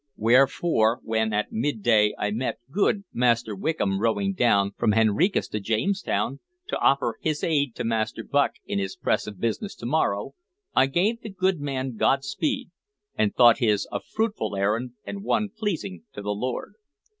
Wherefore, when at midday I met good Master Wickham rowing down from Henricus to Jamestown, to offer his aid to Master Bucke in his press of business to morrow, I gave the good man Godspeed, and thought his a fruitful errand and one pleasing to the Lord."